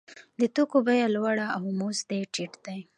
د توکو بیه لوړه او مزد یې ټیټ دی